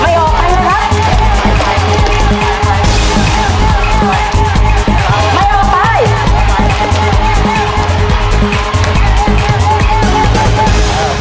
ออกไปแล้วครับ